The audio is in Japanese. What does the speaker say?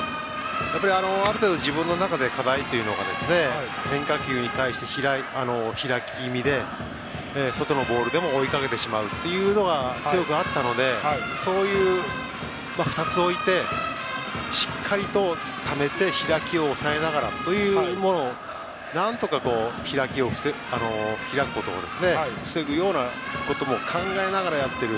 ある程度、自分の中で課題というのが変化球に対して開き気味で外のボールでも追いかけてしまうというのが強くあったのでそういう、２つ置いてしっかりとためて開きを抑えながらということでなんとか開くことを防ぐようなことも考えながらやっている。